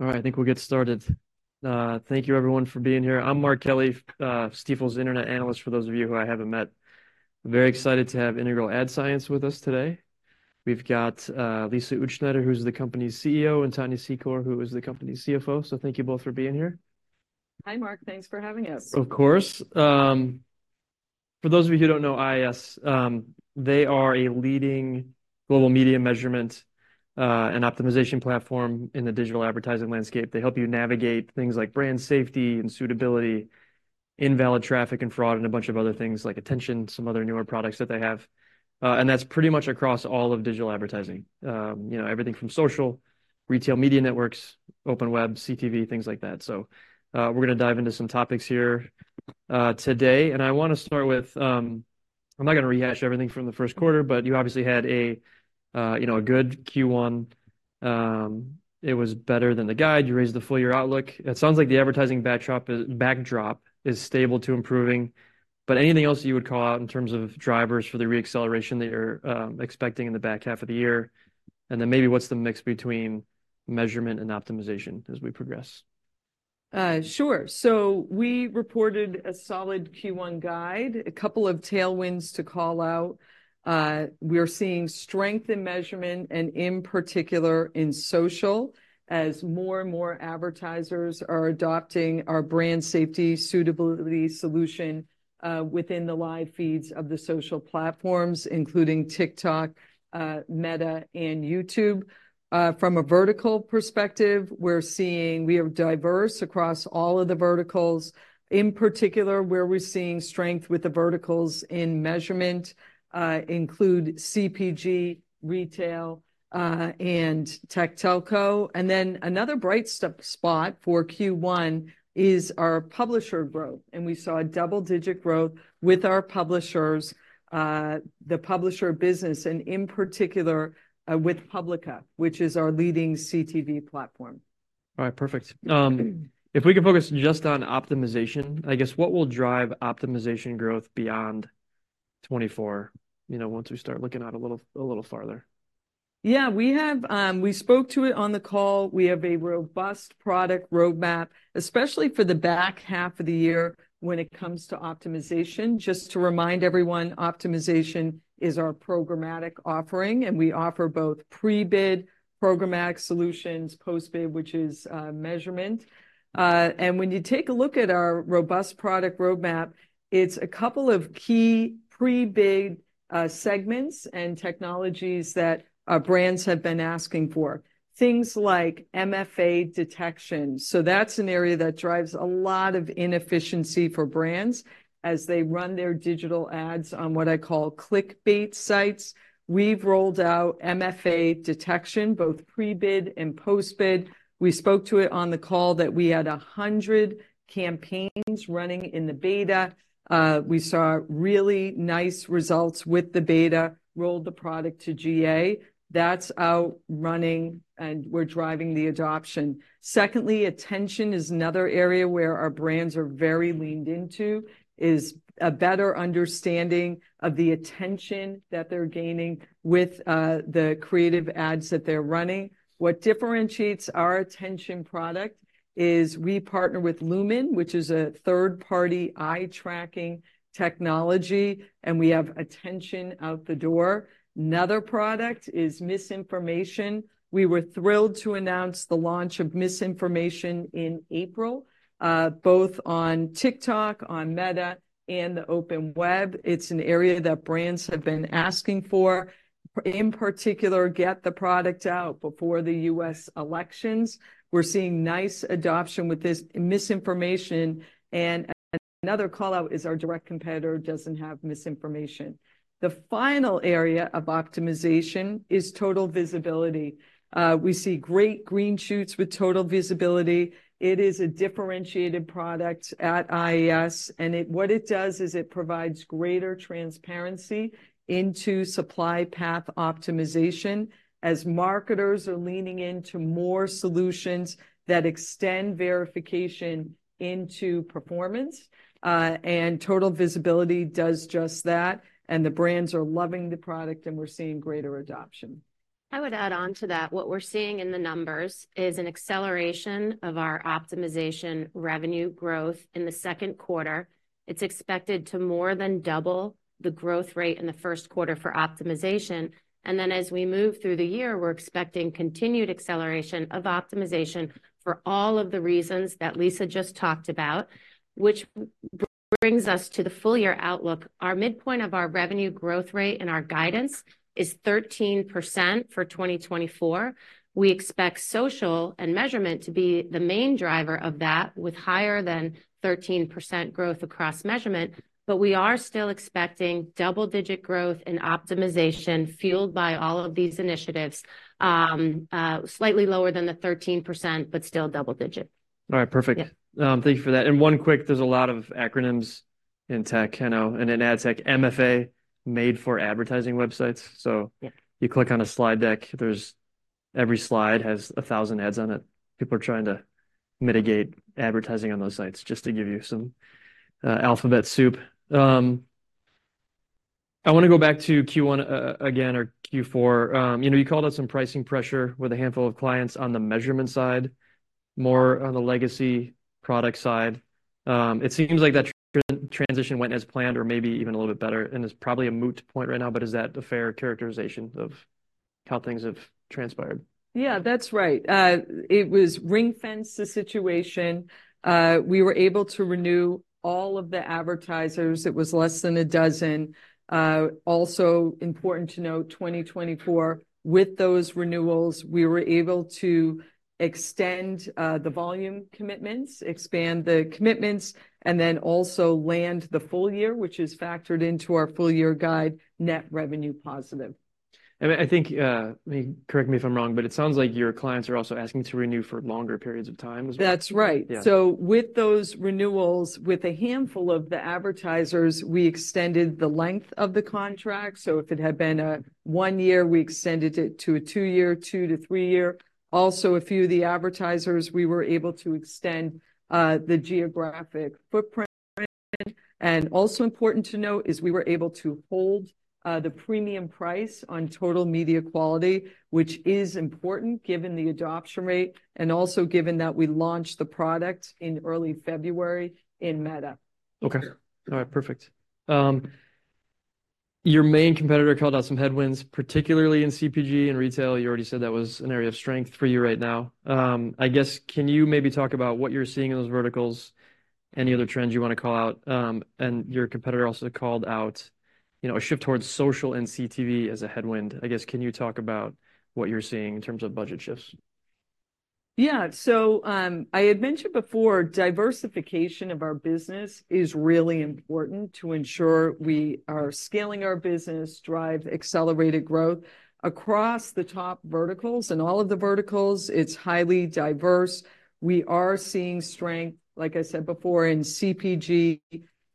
All right, I think we'll get started. Thank you everyone for being here. I'm Mark Kelley, Stifel's Internet Analyst, for those of you who I haven't met. Very excited to have Integral Ad Science with us today. We've got Lisa Utzschneider, who's the company's CEO, and Tania Secor, who is the company's CFO. So thank you both for being here. Hi, Mark. Thanks for having us. Of course. For those of you who don't know IAS, they are a leading global media measurement and optimization platform in the digital advertising landscape. They help you navigate things like brand safety and suitability, invalid traffic and fraud, and a bunch of other things, like attention, some other newer products that they have. And that's pretty much across all of digital advertising. You know, everything from social, retail media networks, open web, CTV, things like that. So, we're gonna dive into some topics here, today, and I wanna start with... I'm not gonna rehash everything from the first quarter, but you obviously had a, you know, a good Q1. It was better than the guide. You raised the full year outlook. It sounds like the advertising backdrop is stable to improving, but anything else that you would call out in terms of drivers for the re-acceleration that you're expecting in the back half of the year? And then maybe what's the mix between measurement and optimization as we progress? Sure. So we reported a solid Q1 guide. A couple of tailwinds to call out. We're seeing strength in measurement, and in particular, in social, as more and more advertisers are adopting our brand safety suitability solution within the live feeds of the social platforms, including TikTok, Meta, and YouTube. From a vertical perspective, we are diverse across all of the verticals. In particular, where we're seeing strength with the verticals in measurement include CPG, retail, and tech telco. And then another bright spot for Q1 is our publisher growth, and we saw a double-digit growth with our publishers, the publisher business, and in particular, with Publica, which is our leading CTV platform. All right, perfect. If we could focus just on optimization, I guess, what will drive optimization growth beyond 2024, you know, once we start looking out a little, a little farther? Yeah, we have, we spoke to it on the call. We have a robust product roadmap, especially for the back half of the year when it comes to optimization. Just to remind everyone, optimization is our programmatic offering, and we offer both pre-bid programmatic solutions, post-bid, which is measurement. And when you take a look at our robust product roadmap, it's a couple of key pre-bid segments and technologies that our brands have been asking for, things like MFA detection. So that's an area that drives a lot of inefficiency for brands as they run their digital ads on what I call clickbait sites. We've rolled out MFA detection, both pre-bid and post-bid. We spoke to it on the call, that we had 100 campaigns running in the beta. We saw really nice results with the beta, rolled the product to GA. That's out running, and we're driving the adoption. Secondly, attention is another area where our brands are very leaned into, is a better understanding of the attention that they're gaining with the creative ads that they're running. What differentiates our attention product is we partner with Lumen, which is a third-party eye-tracking technology, and we have attention out the door. Another product is Misinformation. We were thrilled to announce the launch of Misinformation in April both on TikTok, on Meta, and the open web. It's an area that brands have been asking for, in particular, get the product out before the U.S. elections. We're seeing nice adoption with this Misinformation, and another call-out is our direct competitor doesn't have Misinformation. The final area of optimization is Total Visibility. We see great green shoots with Total Visibility. It is a differentiated product at IAS, and what it does is it provides greater transparency into Supply Path Optimization, as marketers are leaning into more solutions that extend verification into performance. And Total Visibility does just that, and the brands are loving the product, and we're seeing greater adoption. I would add on to that, what we're seeing in the numbers is an acceleration of our optimization revenue growth in the second quarter. It's expected to more than double the growth rate in the first quarter for optimization. And then, as we move through the year, we're expecting continued acceleration of optimization for all of the reasons that Lisa just talked about, which brings us to the full year outlook. Our midpoint of our revenue growth rate and our guidance is 13% for 2024. We expect social and measurement to be the main driver of that, with higher than 13% growth across measurement, but we are still expecting double-digit growth in optimization fueled by all of these initiatives. Slightly lower than the 13%, but still double-digit. All right, perfect. Yeah. Thank you for that. One quick—there’s a lot of acronyms in tech, you know, and in ad tech. MFA, Made For Advertising websites. So- Yeah... you click on a slide deck, there's every slide has a thousand ads on it. People are trying to mitigate advertising on those sites, just to give you some alphabet soup. I wanna go back to Q1, again, or Q4. You know, you called out some pricing pressure with a handful of clients on the measurement side, more on the legacy product side. It seems like that transition went as planned or maybe even a little bit better, and it's probably a moot point right now, but is that a fair characterization of how things have transpired? Yeah, that's right. It was ring-fenced, the situation. We were able to renew all of the advertisers. It was less than a dozen. Also important to note, 2024, with those renewals, we were able to extend the volume commitments, expand the commitments, and then also land the full year, which is factored into our full year guide, net revenue positive. I think, I mean, correct me if I'm wrong, but it sounds like your clients are also asking to renew for longer periods of time as well? That's right. Yeah. So with those renewals, with a handful of the advertisers, we extended the length of the contract, so if it had been a one-year, we extended it to a two-year, two- to three-year. Also, a few of the advertisers, we were able to extend the geographic footprint. And also important to note is we were able to hold the premium price on Total Media Quality, which is important, given the adoption rate, and also given that we launched the product in early February in Meta. Okay. All right, perfect. Your main competitor called out some headwinds, particularly in CPG and retail. You already said that was an area of strength for you right now. I guess, can you maybe talk about what you're seeing in those verticals? Any other trends you wanna call out? And your competitor also called out, you know, a shift towards social and CTV as a headwind. I guess, can you talk about what you're seeing in terms of budget shifts? Yeah, so, I had mentioned before, diversification of our business is really important to ensure we are scaling our business, drive accelerated growth. Across the top verticals and all of the verticals, it's highly diverse. We are seeing strength, like I said before, in CPG,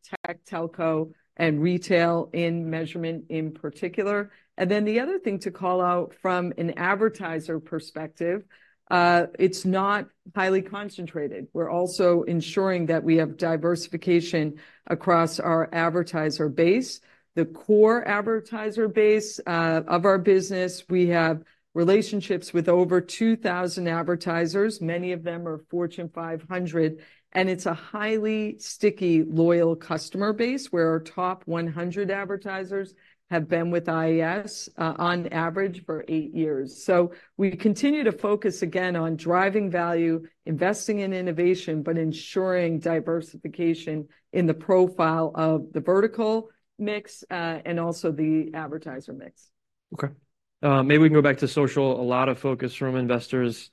tech, telco, and retail, in measurement in particular. And then the other thing to call out from an advertiser perspective, it's not highly concentrated. We're also ensuring that we have diversification across our advertiser base. The core advertiser base, of our business, we have relationships with over 2,000 advertisers, many of them are Fortune 500, and it's a highly sticky, loyal customer base, where our top 100 advertisers have been with IAS, on average, for 8 years. So we continue to focus again on driving value, investing in innovation, but ensuring diversification in the profile of the vertical mix, and also the advertiser mix. Okay. Maybe we can go back to social. A lot of focus from investors,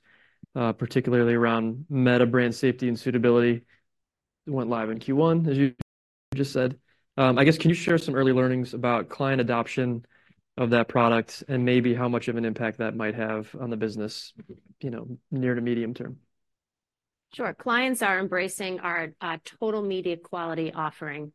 particularly around Meta brand safety and suitability. It went live in Q1, as you just said. I guess, can you share some early learnings about client adoption of that product, and maybe how much of an impact that might have on the business, you know, near to medium term? Sure. Clients are embracing our Total Media Quality offering.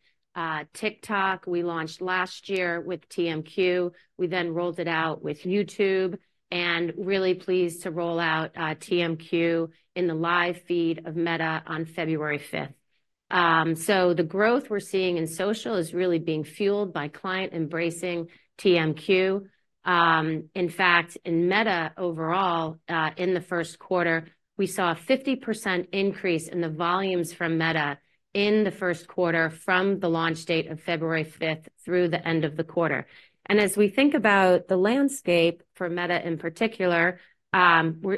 TikTok, we launched last year with TMQ. We then rolled it out with YouTube, and really pleased to roll out TMQ in the live feed of Meta on February 5th. So the growth we're seeing in social is really being fueled by client embracing TMQ. In fact, in Meta overall, in the first quarter, we saw a 50% increase in the volumes from Meta in the first quarter from the launch date of February 5th through the end of the quarter. As we think about the landscape for Meta, in particular,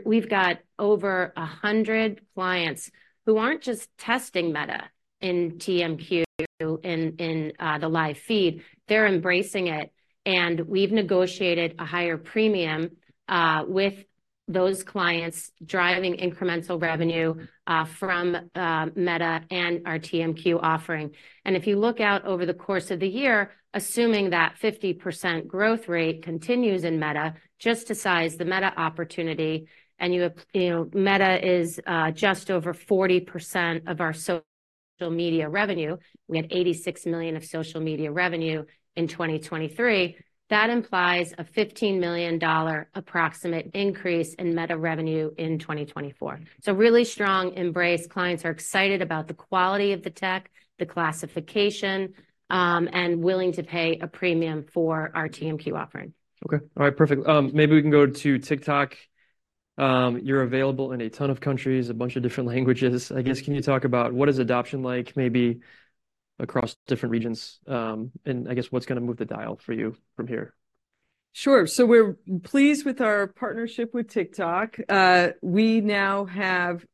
we've got over 100 clients who aren't just testing Meta in TMQ, in the live feed, they're embracing it, and we've negotiated a higher premium with those clients, driving incremental revenue from Meta and our TMQ offering. If you look out over the course of the year, assuming that 50% growth rate continues in Meta, just to size the Meta opportunity, and you have... You know, Meta is just over 40% of our social media revenue. We had $86 million of social media revenue in 2023. That implies a $15 million approximate increase in Meta revenue in 2024. So really strong embrace. Clients are excited about the quality of the tech, the classification, and willing to pay a premium for our TMQ offering. Okay. All right, perfect. Maybe we can go to TikTok. You're available in a ton of countries, a bunch of different languages. I guess, can you talk about what is adoption like, maybe across different regions? And I guess, what's gonna move the dial for you from here? Sure. So we're pleased with our partnership with TikTok. We now have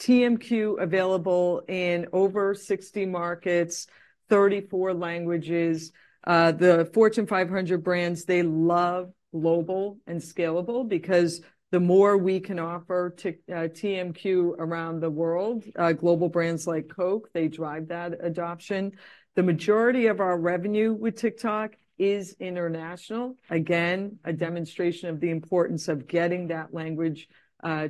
TMQ available in over 60 markets, 34 languages. The Fortune 500 brands, they love global and scalable because the more we can offer to TMQ around the world, global brands like Coke, they drive that adoption. The majority of our revenue with TikTok is international. Again, a demonstration of the importance of getting that language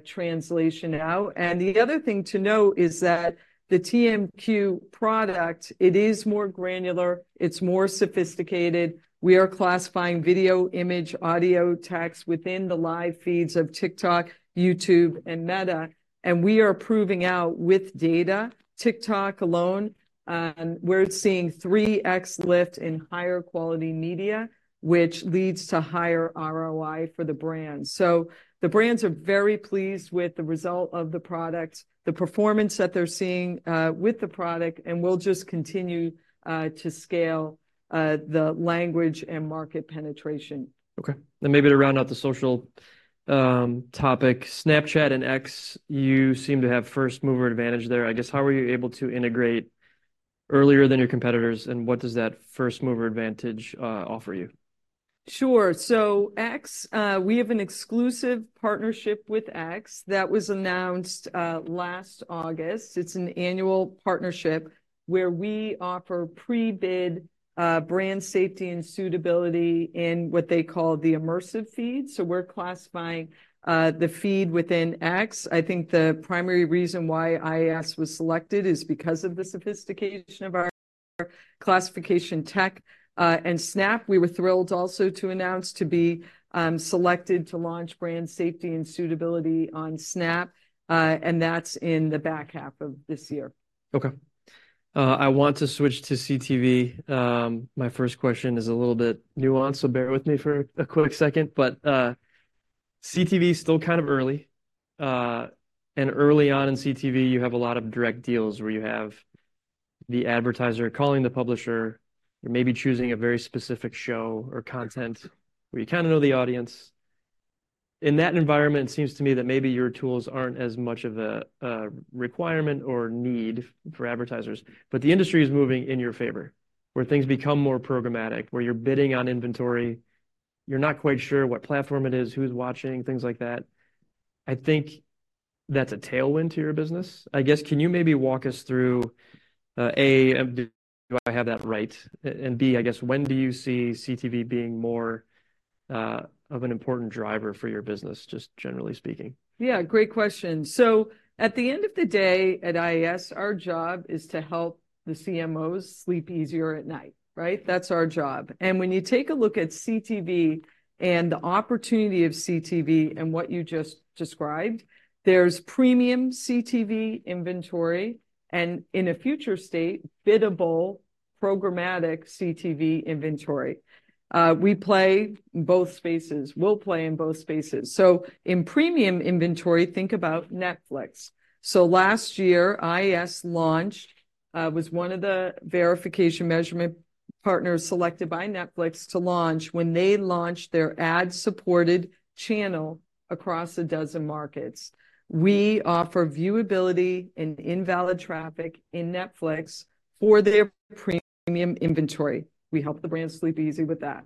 translation out. And the other thing to note is that the TMQ product, it is more granular, it's more sophisticated. We are classifying video, image, audio, text, within the live feeds of TikTok, YouTube, and Meta, and we are proving out with data. TikTok alone, and we're seeing 3x lift in higher quality media, which leads to higher ROI for the brand. So the brands are very pleased with the result of the product, the performance that they're seeing, with the product, and we'll just continue, to scale, the language and market penetration. Okay. Then maybe to round out the social topic, Snapchat and X, you seem to have first-mover advantage there. I guess, how were you able to integrate earlier than your competitors, and what does that first mover advantage offer you? Sure. So X, we have an exclusive partnership with X that was announced last August. It's an annual partnership where we offer pre-bid brand safety and suitability in what they call the immersive feed. So we're classifying the feed within X. I think the primary reason why IAS was selected is because of the sophistication of our classification tech. And Snap, we were thrilled also to announce to be selected to launch brand safety and suitability on Snap, and that's in the back half of this year. Okay. I want to switch to CTV. My first question is a little bit nuanced, so bear with me for a quick second. But, CTV's still kind of early, and early on in CTV, you have a lot of direct deals, where you have the advertiser calling the publisher or maybe choosing a very specific show or content, where you kinda know the audience. In that environment, it seems to me that maybe your tools aren't as much of a, a requirement or need for advertisers, but the industry is moving in your favor, where things become more programmatic, where you're bidding on inventory. You're not quite sure what platform it is, who's watching, things like that. I think that's a tailwind to your business. I guess, can you maybe walk us through, A, do I have that right? A- and B, I guess, when do you see CTV being more of an important driver for your business, just generally speaking? Yeah, great question. So at the end of the day at IAS, our job is to help the CMOs sleep easier at night, right? That's our job, and when you take a look at CTV and the opportunity of CTV and what you just described, there's premium CTV inventory, and in a future state, biddable, programmatic CTV inventory. We play both spaces. We'll play in both spaces. So in premium inventory, think about Netflix. So last year, IAS launched, was one of the verification measurement partners selected by Netflix to launch when they launched their ad-supported channel across a dozen markets. We offer viewability and invalid traffic in Netflix for their premium inventory. We help the brands sleep easy with that.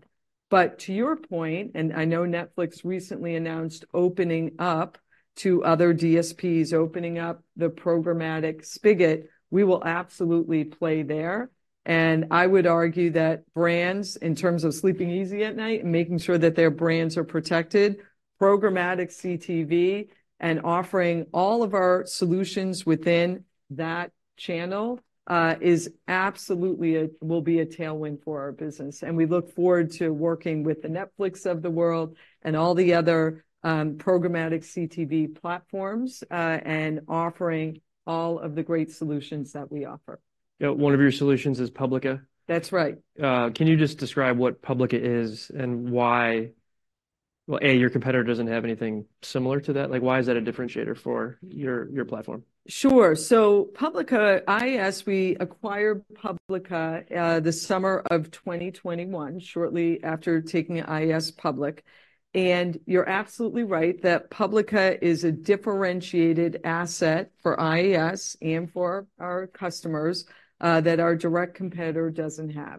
But to your point, and I know Netflix recently announced opening up to other DSPs, opening up the programmatic spigot, we will absolutely play there, and I would argue that brands, in terms of sleeping easy at night and making sure that their brands are protected, programmatic CTV and offering all of our solutions within that channel will be a tailwind for our business, and we look forward to working with the Netflix of the world and all the other programmatic CTV platforms, and offering all of the great solutions that we offer. Yeah, one of your solutions is Publica? That's right. Can you just describe what Publica is, and why... Well, A, your competitor doesn't have anything similar to that? Like, why is that a differentiator for your, your platform? Sure. So Publica, IAS, we acquired Publica the summer of 2021, shortly after taking IAS public, and you're absolutely right, that Publica is a differentiated asset for IAS and for our customers that our direct competitor doesn't have.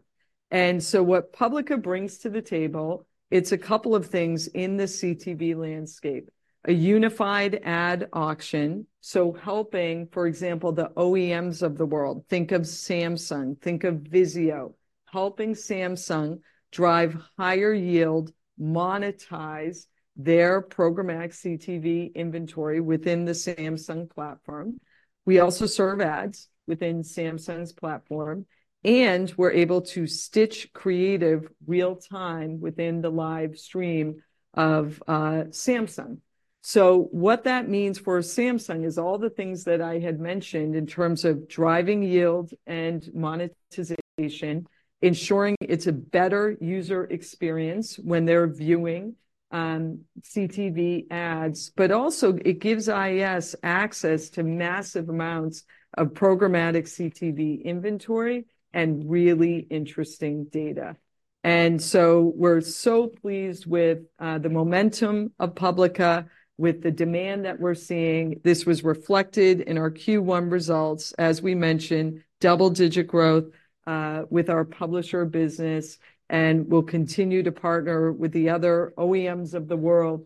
And so what Publica brings to the table, it's a couple of things in the CTV landscape: a unified ad auction, so helping, for example, the OEMs of the world, think of Samsung, think of Vizio, helping Samsung drive higher yield, monetize their programmatic CTV inventory within the Samsung platform. We also serve ads within Samsung's platform, and we're able to stitch creative real-time within the live stream of Samsung. So what that means for Samsung is all the things that I had mentioned in terms of driving yield and monetization, ensuring it's a better user experience when they're viewing CTV ads. But also, it gives IAS access to massive amounts of programmatic CTV inventory and really interesting data. And so we're so pleased with the momentum of Publica, with the demand that we're seeing. This was reflected in our Q1 results. As we mentioned, double-digit growth with our publisher business, and we'll continue to partner with the other OEMs of the world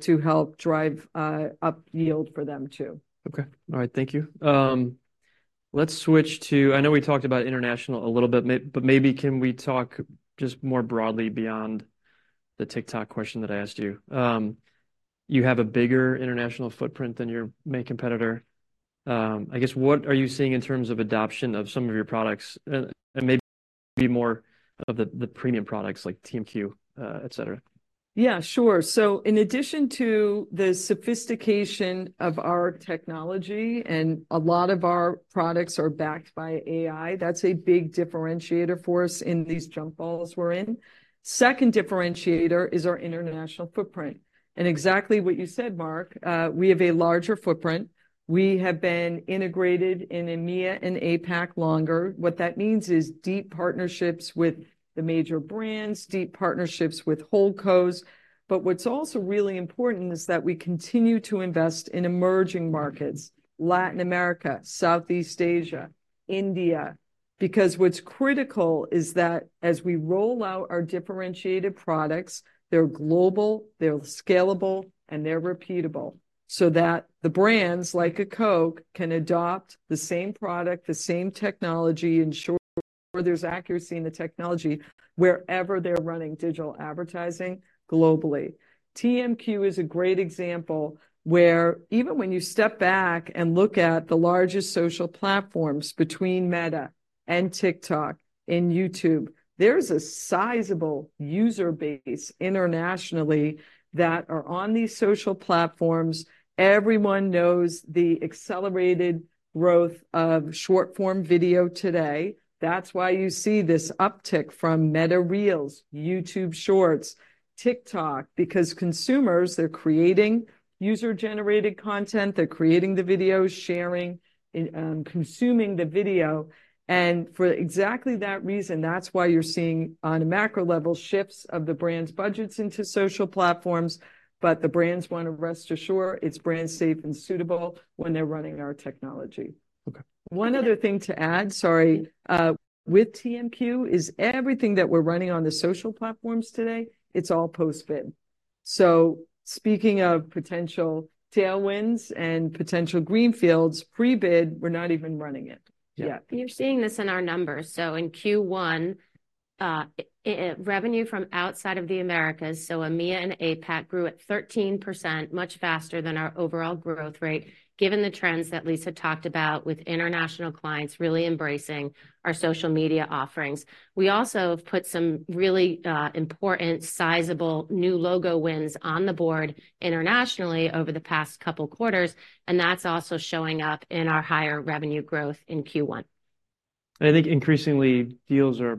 to help drive up yield for them, too. Okay. All right, thank you. Let's switch to... I know we talked about international a little bit, but maybe can we talk just more broadly beyond the TikTok question that I asked you? You have a bigger international footprint than your main competitor. I guess, what are you seeing in terms of adoption of some of your products, and, and maybe more of the, the premium products, like TMQ, et cetera? Yeah, sure. So in addition to the sophistication of our technology, and a lot of our products are backed by AI, that's a big differentiator for us in these jump balls we're in. Second differentiator is our international footprint, and exactly what you said, Mark, we have a larger footprint. We have been integrated in EMEA and APAC longer. What that means is deep partnerships with the major brands, deep partnerships with holdcos. But what's also really important is that we continue to invest in emerging markets: Latin America, Southeast Asia, India.... because what's critical is that as we roll out our differentiated products, they're global, they're scalable, and they're repeatable, so that the brands, like a Coke, can adopt the same product, the same technology, ensure there's accuracy in the technology wherever they're running digital advertising globally. TMQ is a great example where even when you step back and look at the largest social platforms between Meta and TikTok and YouTube, there's a sizable user base internationally that are on these social platforms. Everyone knows the accelerated growth of short-form video today. That's why you see this uptick from Meta Reels, YouTube Shorts, TikTok, because consumers, they're creating user-generated content. They're creating the videos, sharing, consuming the video, and for exactly that reason, that's why you're seeing, on a macro level, shifts of the brands' budgets into social platforms. But the brands wanna rest assured it's brand safe and suitable when they're running our technology. Okay. One other thing to add, sorry, with TMQ, is everything that we're running on the social platforms today. It's all post-bid. So speaking of potential tailwinds and potential greenfields, pre-bid, we're not even running it. Yeah. Yeah. You're seeing this in our numbers. So in Q1, revenue from outside of the Americas, so EMEA and APAC, grew at 13%, much faster than our overall growth rate, given the trends that Lisa talked about, with international clients really embracing our social media offerings. We also have put some really important, sizable new logo wins on the board internationally over the past couple quarters, and that's also showing up in our higher revenue growth in Q1. I think increasingly, deals are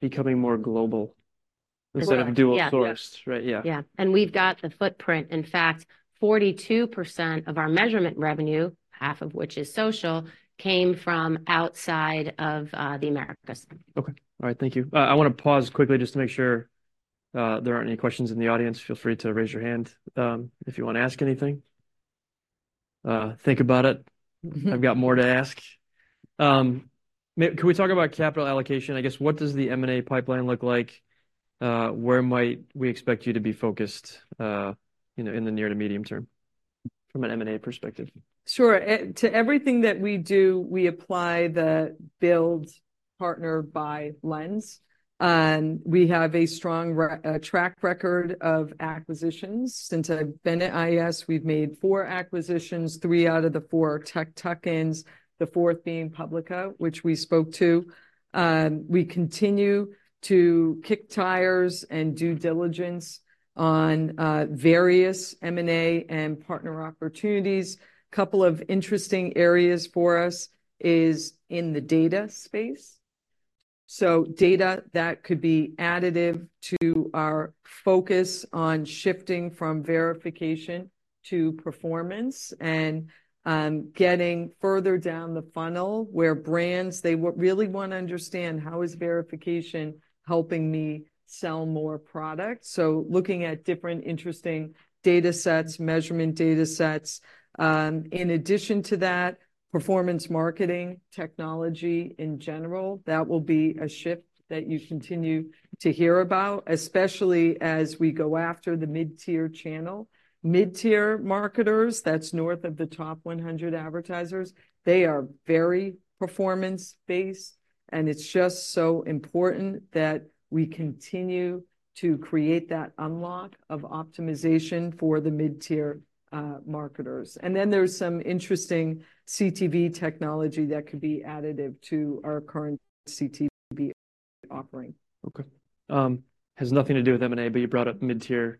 becoming more global- Global. -instead of dual sourced. Yeah. Right, yeah. Yeah, we've got the footprint. In fact, 42% of our measurement revenue, half of which is social, came from outside of the Americas. Okay. All right, thank you. I wanna pause quickly just to make sure there aren't any questions in the audience. Feel free to raise your hand if you wanna ask anything. Think about it. Mm-hmm. I've got more to ask. Can we talk about capital allocation? I guess, what does the M&A pipeline look like? Where might we expect you to be focused, you know, in the near to medium term from an M&A perspective? Sure. To everything that we do, we apply the build, partner, buy lens. We have a strong track record of acquisitions. Since I've been at IAS, we've made four acquisitions, three out of the four are tech tuck-ins, the fourth being Publica, which we spoke to. We continue to kick tires and due diligence on various M&A and partner opportunities. A couple of interesting areas for us is in the data space, so data that could be additive to our focus on shifting from verification to performance and getting further down the funnel, where brands they really wanna understand: How is verification helping me sell more product? So looking at different interesting data sets, measurement data sets. In addition to that, performance marketing technology in general, that will be a shift that you continue to hear about, especially as we go after the mid-tier channel. Mid-tier marketers, that's north of the top 100 advertisers, they are very performance-based, and it's just so important that we continue to create that unlock of optimization for the mid-tier, marketers. And then, there's some interesting CTV technology that could be additive to our current CTV offering. Okay. Has nothing to do with M&A, but you brought up mid-tier.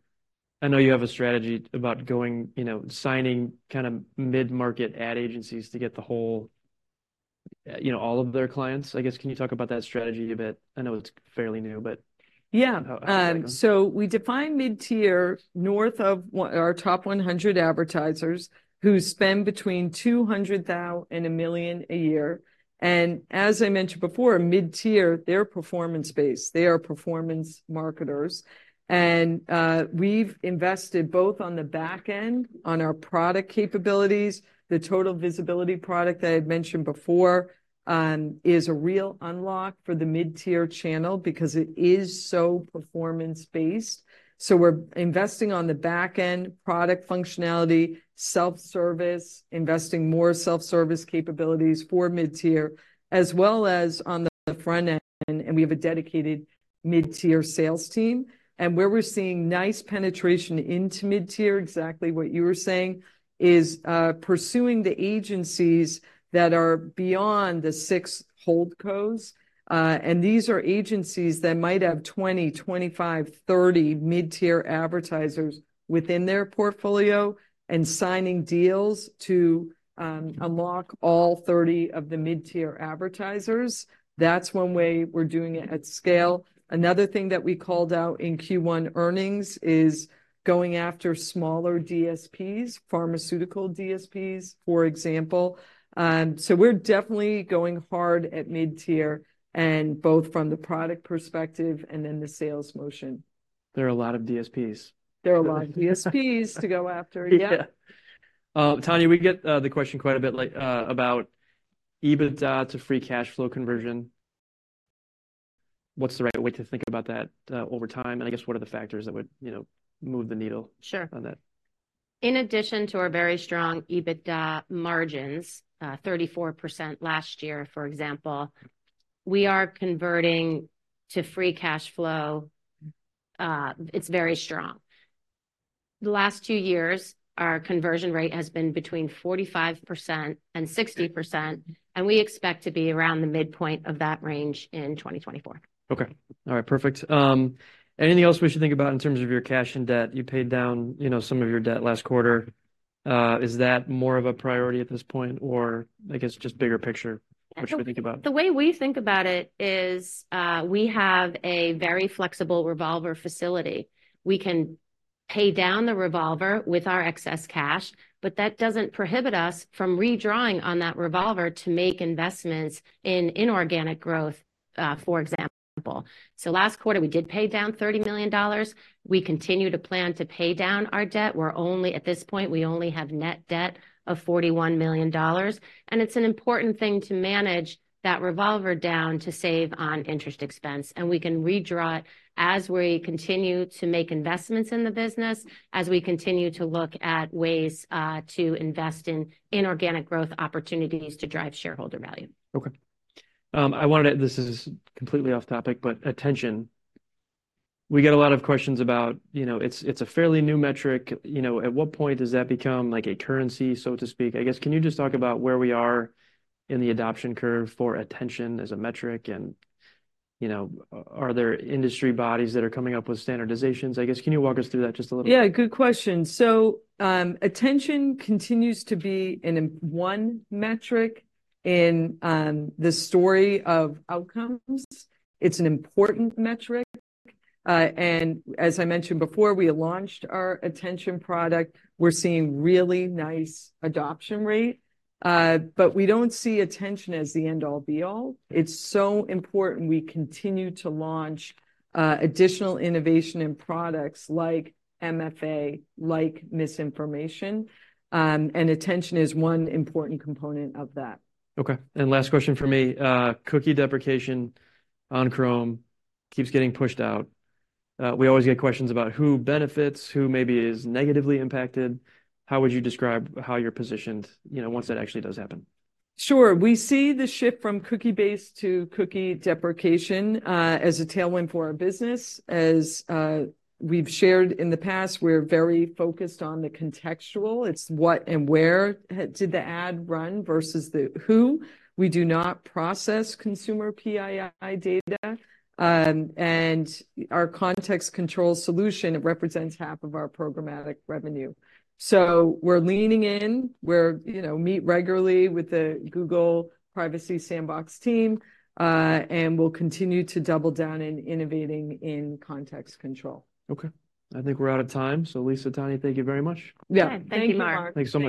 I know you have a strategy about going, you know, signing kinda mid-market ad agencies to get the whole, you know, all of their clients, I guess. Can you talk about that strategy a bit? I know it's fairly new, but- Yeah. How, um- So we define mid-tier north of our top 100 advertisers who spend between $200,000 and $1 million a year, and as I mentioned before, mid-tier, they're performance-based. They are performance marketers, and we've invested both on the back end, on our product capabilities. The Total Visibility product that I'd mentioned before is a real unlock for the mid-tier channel because it is so performance-based. So we're investing on the back end, product functionality, self-service, investing more self-service capabilities for mid-tier, as well as on the front end, and we have a dedicated mid-tier sales team. And where we're seeing nice penetration into mid-tier, exactly what you were saying, is pursuing the agencies that are beyond the six hold cos. These are agencies that might have 20, 25, 30 mid-tier advertisers within their portfolio and signing deals to unlock all 30 of the mid-tier advertisers. That's one way we're doing it at scale. Another thing that we called out in Q1 earnings is going after smaller DSPs, pharmaceutical DSPs, for example. We're definitely going hard at mid-tier, and both from the product perspective and then the sales motion. There are a lot of DSPs. There are a lot of DSPs to go after, yeah.... Tania, we get the question quite a bit, like, about EBITDA to free cash flow conversion. What's the right way to think about that, over time, and I guess what are the factors that would, you know, move the needle- Sure. -on that? In addition to our very strong EBITDA margins, 34% last year, for example, we are converting to free cash flow. It's very strong. The last two years, our conversion rate has been between 45% and 60%, and we expect to be around the midpoint of that range in 2024. Okay. All right, perfect. Anything else we should think about in terms of your cash and debt? You paid down, you know, some of your debt last quarter. Is that more of a priority at this point, or I guess just bigger picture, what should we think about? The way we think about it is, we have a very flexible revolver facility. We can pay down the revolver with our excess cash, but that doesn't prohibit us from redrawing on that revolver to make investments in inorganic growth, for example. So last quarter, we did pay down $30 million. We continue to plan to pay down our debt. At this point, we only have net debt of $41 million, and it's an important thing to manage that revolver down to save on interest expense. We can redraw it as we continue to make investments in the business, as we continue to look at ways to invest in inorganic growth opportunities to drive shareholder value. Okay. I wanted to... This is completely off topic, but attention, we get a lot of questions about, you know, it's, it's a fairly new metric. You know, at what point does that become, like, a currency, so to speak? I guess, can you just talk about where we are in the adoption curve for attention as a metric, and, you know, are there industry bodies that are coming up with standardizations? I guess, can you walk us through that just a little bit? Yeah, good question. So, attention continues to be an important one metric in the story of outcomes. It's an important metric, and as I mentioned before, we launched our attention product. We're seeing really nice adoption rate, but we don't see attention as the end-all be-all. It's so important we continue to launch additional innovation and products like MFA, like misinformation, and attention is one important component of that. Okay, and last question from me. Cookie deprecation on Chrome keeps getting pushed out. We always get questions about who benefits, who maybe is negatively impacted. How would you describe how you're positioned, you know, once that actually does happen? Sure. We see the shift from cookie-based to cookie deprecation as a tailwind for our business. As we've shared in the past, we're very focused on the contextual. It's what and where did the ad run versus the who. We do not process consumer PII data, and our Context Control solution represents half of our programmatic revenue. So we're leaning in, you know, meet regularly with the Google Privacy Sandbox team, and we'll continue to double down in innovating in Context Control. Okay, I think we're out of time. So Lisa, Tania, thank you very much. Yeah. Thank you, Mark. Thanks so much.